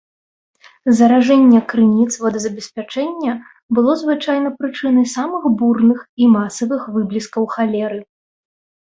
Заражэння крыніц водазабеспячэння было звычайна прычынай самых бурных і масавых выбліскаў халеры.